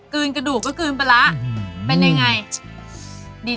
กลืนกระดูกก็กลืนปลาร้าเป็นยังไง